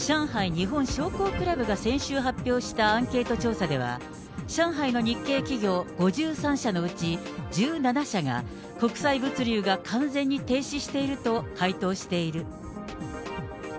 日本商工クラブが先週発表したアンケート調査では、上海の日系企業５３社のうち１７社が、国際物流が完全に停止していると回答している。